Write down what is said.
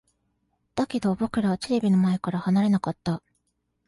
だけど、僕らはテレビの前から離れなかった。